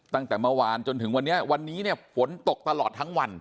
ตั้งแต่เมื่อวานจนถึงวันนี้วันนี้เนี่ยฝนตกตลอดทั้งวัน